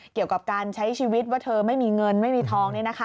เกี่ยวกับการใช้ชีวิตว่าเธอไม่มีเงินไม่มีทอง